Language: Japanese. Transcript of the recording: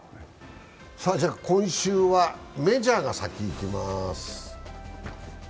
今週はメジャーが先いきます。